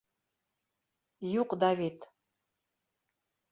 Юҡ, Давид...